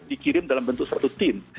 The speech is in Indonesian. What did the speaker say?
dikirim dalam bentuk satu tim